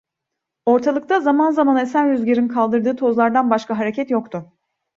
Ortalıkta, zaman zaman esen rüzgarın kaldırdığı tozlardan başka hareket yoktu.